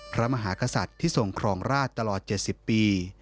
พระมหากษัตริย์ที่ทรงครองราชตลอด๗๐ปี